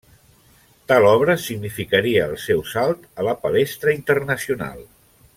Tal obra significaria el seu salt a la palestra internacional.